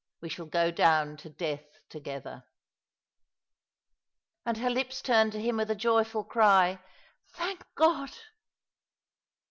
We shall go down to death together !" And her lips turned to him with a joyful cry, " Thank God